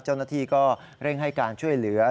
เจ้าหน้าที่ก็เร่งให้การช่วยเหลือ